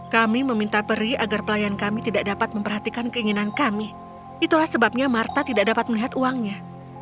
kami meminta peri agar pelayan kami tidak dapat memperhatikan keinginan kami itulah sebabnya marta tidak dapat melihat uangnya